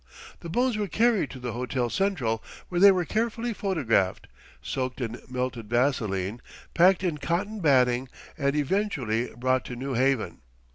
The bones were carried to the Hotel Central, where they were carefully photographed, soaked in melted vaseline, packed in cotton batting, and eventually brought to New Haven.